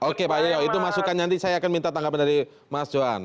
oke pak yoyo itu masukannya nanti saya akan minta tanggapan dari mas johan